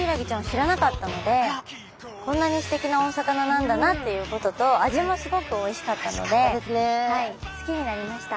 知らなかったのでこんなにすてきなお魚なんだなっていうことと味もすごくおいしかったので好きになりました。